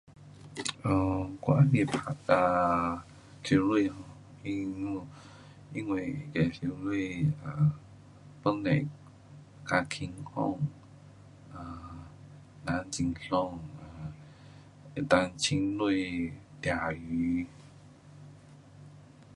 [unintelligible] um 我喜欢游泳因为游泳帮助较健康 um 也很爽。可以浸水抓鱼。